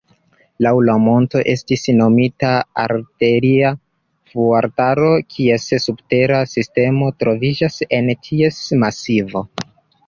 Laŭ la monto estis nomita artileria fuortaro, kies subtera sistemo troviĝas en ties masivo.